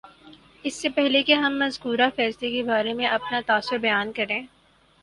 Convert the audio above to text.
اس سے پہلے کہ ہم مذکورہ فیصلے کے بارے میں اپنا تاثر بیان کریں